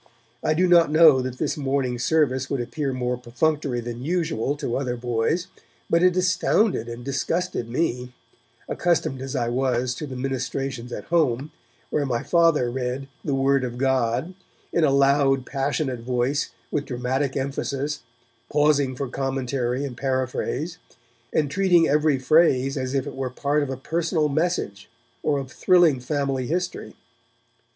I do not know that this morning service would appear more perfunctory than usual to other boys, but it astounded and disgusted me, accustomed as I was to the ministrations at home, where my Father read 'the word of God' in a loud passionate voice, with dramatic emphasis, pausing for commentary and paraphrase, and treating every phrase as if it were part of a personal message or of thrilling family history.